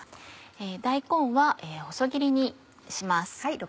大根は細切りにします。